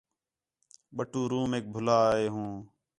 بَٹو رُومیک بُھلا آئے ہوں